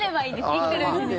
生きてるうちに。